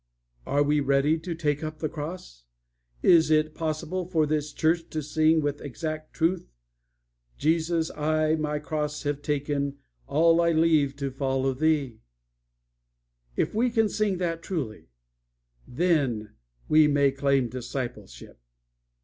Are we ready to take up the cross? Is it possible for this church to sing with exact truth, 'Jesus, I my cross have taken, All to leave and follow Thee?' If we can sing that truly, then we may claim discipleship.